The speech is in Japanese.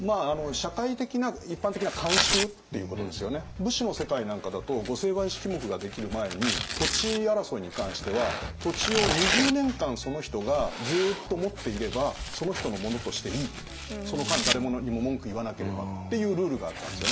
武士の世界なんかだと御成敗式目ができる前に土地争いに関しては土地を２０年間その人がずっと持っていればその人のものとしていいってその間誰も何も文句言わなければっていうルールがあったんですよね。